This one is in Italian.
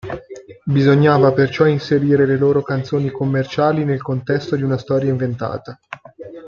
Bisognava perciò inserire le loro canzoni commerciali nel contesto di una storia inventata.